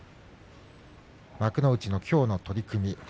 幕内のきょうの取組。